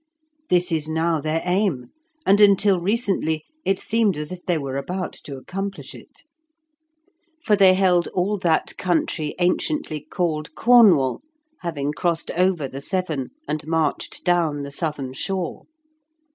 This is now their aim, and until recently it seemed as if they were about to accomplish it. For they held all that country anciently called Cornwall, having crossed over the Severn, and marched down the southern shore.